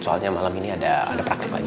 soalnya malam ini ada praktek lagi